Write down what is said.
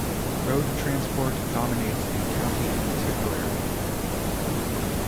Road transport dominates in County Tipperary.